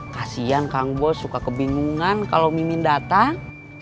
kasian kang bos suka kebingungan kalau mimin datang